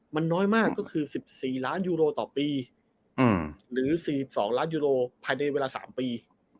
มันน้อยมากก็คือสิบสี่ร้านยูโรต่อปีอืมหรือสี่สองร้านยูโรพายในเวลาสามปี